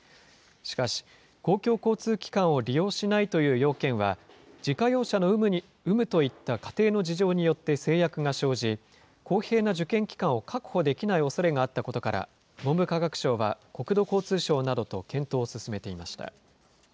しかし、公共交通機関を利用しないという要件は、自家用車の有無といった家庭の事情によって制約が生じ、公平な受験機会を確保できないおそれがあったことから、文部科学省は国土交通省などと検討を進めていました。